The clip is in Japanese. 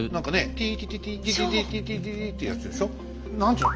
ティーティティティーティティティーティティティティってやつでしょ？